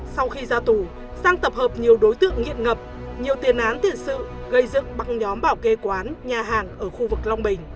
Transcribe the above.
sau khi ra tù sang tập hợp nhiều đối tượng nghiện ngập nhiều tiền án tiền sự gây dựng bằng nhóm bảo kê quán nhà hàng ở khu vực long bình